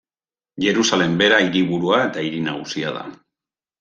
Jerusalem bera hiriburua eta hiri nagusia da.